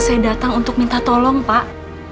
saya datang untuk minta tolong pak